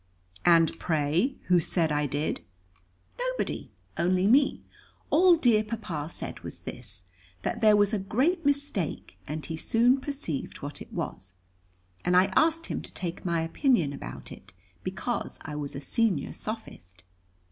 "And pray, who said I did?" "Nobody, only me. All dear Papa said was this, that there was a great mistake, and he soon perceived what it was; and I asked him to take my opinion about it, because I was a senior sophist.